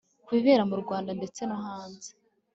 ku bibera mu rwanda ndetse no hanze